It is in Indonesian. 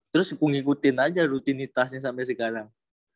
terus aku ngikutin aja rutinitasnya sampai sekarang